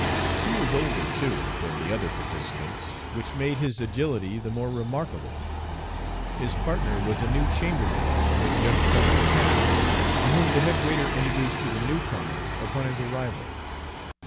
He was older, too, than the other participants, which made his agility the more remarkable. His partner was a new chambermaid, who had just come to town, and whom the head waiter introduced to the newcomer upon his arrival.